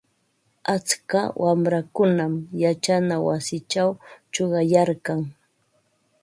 Atska wamrakunam yachana wasichaw chuqayarkan.